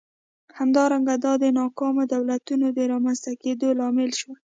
همدارنګه دا د ناکامو دولتونو د رامنځته کېدو لامل شول.